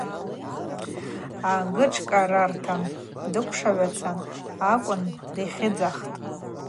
Агышӏкӏарарта дыкӏвшагӏвацатӏ акӏвын дихьыдзатӏ.